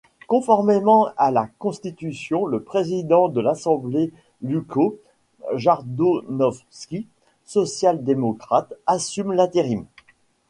Conformément à la Constitution, le président de l'Assemblée Ljupčo Jordanovski, social-démocrate, assume l'intérim.